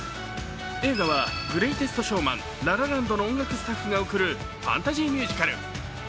映画は「グレイテスト・ショーマン」「ラ・ラ・ランド」の音楽スタッフが贈るファンタジーミュージカル。